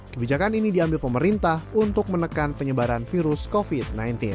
kebijakan ini diambil pemerintah untuk menekan penyebaran virus covid sembilan belas